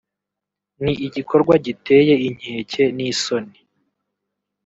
ni igikorwa giteye inkeke n’isoni